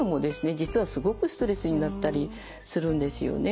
実はすごくストレスになったりするんですよね。